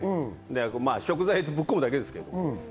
食材をぶっこむだけですけど。